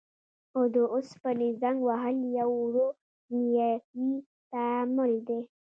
هو د اوسپنې زنګ وهل یو ورو کیمیاوي تعامل دی.